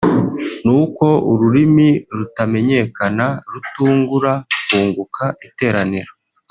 nuko ururimi rutamenyekana rutungura (kunguka) iteraniro